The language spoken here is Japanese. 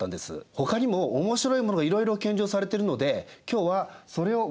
ほかにも面白いものがいろいろ献上されているので今日はそれをご紹介したいと思います。